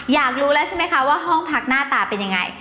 อยากรู้แล้วใช่ไหมคะว่าห้องพักหน้าตาเป็นยังไง